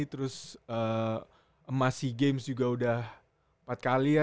terus emas sea games juga udah empat kali ya